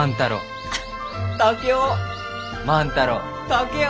竹雄。